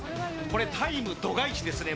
これタイム度外視ですね